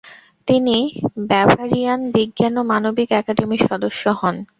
তিনি ব্যাভারিয়ান বিজ্ঞান ও মানবিক একাডেমির সদস্য হন।